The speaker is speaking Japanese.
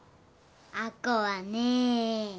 亜子はね